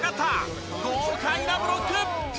豪快なブロック！